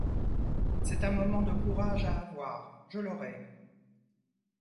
C'est un moment de courage à avoir, je l'aurai.